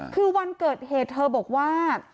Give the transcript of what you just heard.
คือวันเกิดเหตุเธอบอกว่า